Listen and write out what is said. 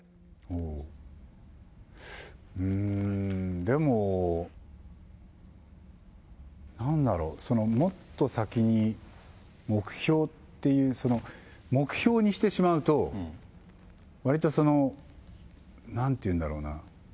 うーん、でも、なんだろう、その、もっと先に目標っていう、その目標にしてしまうと、わりとその、なんて言うんだろうな？